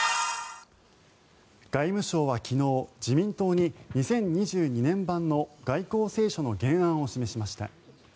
外務省は昨日、自民党に２０２２年版の外交青書の原案を示しました。